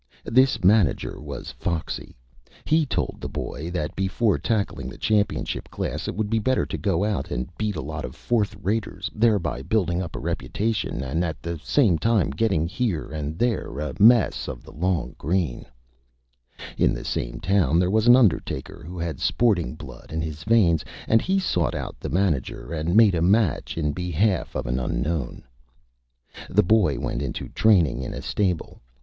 This Manager was Foxy. He told the Boy that before tackling the Championship Class it would be better to go out and beat a lot of Fourth Raters, thereby building up a Reputation and at the same time getting here and there a Mess of the Long Green. [Illustrations: MANAGER] In the same Town there was an Undertaker who had Sporting Blood in his Veins, and he sought out the Manager and made a Match in behalf of an Unknown. The boy went into Training in a Stable.